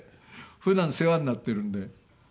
普段世話になってるんで。